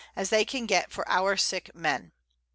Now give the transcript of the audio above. as they can get for our sick Men_.